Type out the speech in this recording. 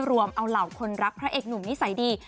รวมเอาเหล่าคนรักพระเอกหนุ่มนิสัยดี